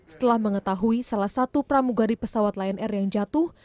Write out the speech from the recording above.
setelah mengetahui salah satu pramugari pesawat lion air yang jatuh